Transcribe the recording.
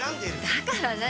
だから何？